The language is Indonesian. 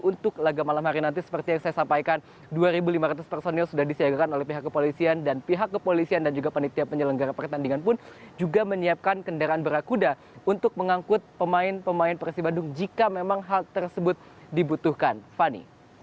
untuk laga malam hari nanti seperti yang saya sampaikan dua lima ratus personil sudah disiagakan oleh pihak kepolisian dan pihak kepolisian dan juga panitia penyelenggara pertandingan pun juga menyiapkan kendaraan berakuda untuk mengangkut pemain pemain persibandung jika memang hal tersebut dibutuhkan fani